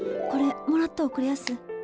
これもらっておくれやす。